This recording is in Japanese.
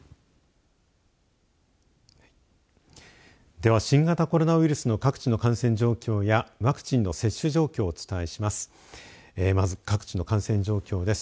では新型コロナウイルスの各地の感染状況やワクチンの接種状況をお伝えします。